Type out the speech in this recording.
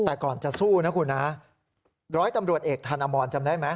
แต่ก่อนจะสู้นะคุณนะร้อยตำรวจเอกธนมรจำได้ไหม